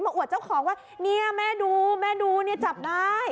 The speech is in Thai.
มาอวดเจ้าของว่านี่แม่ดูจับได้